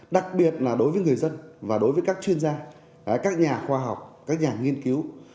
đặc biệt là đối với người dân và đối với các chuyên gia các nhà khoa học các nhà nghiên cứu